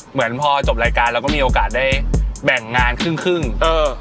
เหมือนพอจบรายการเราก็มีโอกาสได้แบ่งงานครึ่งครึ่งเออ